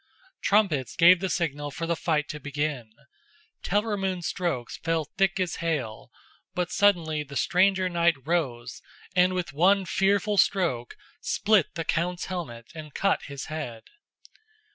Trumpets gave the signal for the fight to begin. Telramund's strokes fell thick as hail, but suddenly the stranger knight rose and with one fearful stroke split the count's helmet and cut his head.